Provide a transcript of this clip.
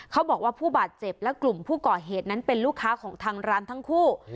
เขาบอกว่าผู้บาดเจ็บและกลุ่มผู้ก่อเหตุนั้นเป็นลูกค้าของทางร้านทั้งคู่